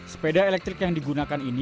sepeda elektrik yang digunakan ini